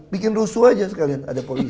bikin rusuh aja sekalian